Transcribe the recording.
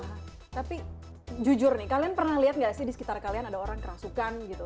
tapi jujur nih kalian pernah liat ga sih disekitar kalian ada orang kerasukan gitu